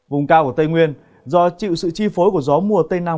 vùng cao của tây nguyên do chịu sự chi phối của gió mùa tây nam